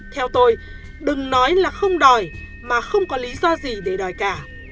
theo tôi đừng nói là không đòi mà không có lý do gì để đòi cả